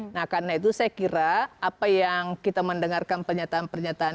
nah karena itu saya kira apa yang kita mendengarkan pernyataan pernyataan